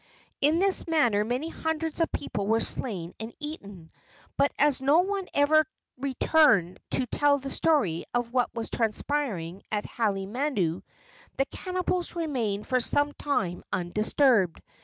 In this manner many hundreds of people were slain and eaten; but as no one ever returned to tell the story of what was transpiring at Halemanu, the cannibals remained for some time undisturbed.